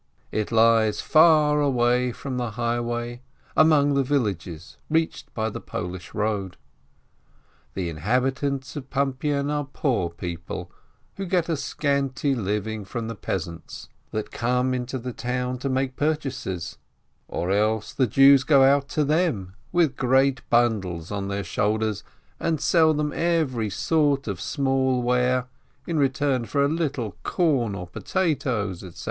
It lies far away from the highway, among villages reached by the Polish Eoad. The inhabitants of Pum pian are poor people, who get a scanty living from the peasants that come into the town to make purchases, or else the Jews go out to them with great bundles on their shoulders and sell them every sort of small ware, in return for a little corn, or potatoes, etc.